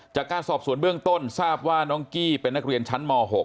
จากการสอบสวนเบื้องต้นทราบว่าน้องกี้เป็นนักเรียนชั้นม๖